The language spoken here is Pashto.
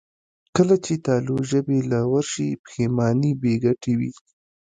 کله چې تالو ژبې له ورشي، پښېماني بېګټې وي.